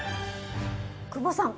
久保さん